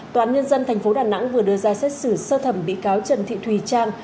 toán nhân dân tp đà nẵng vừa đưa ra xét xử sơ thẩm bị cáo trần thị thùy trang